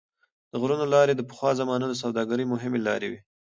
د غرونو لارې د پخوا زمانو د سوداګرۍ مهمې لارې وې.